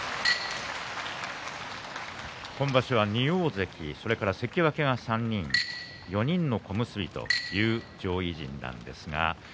今場所は２大関それから関脇が３人４人の小結という上位陣です。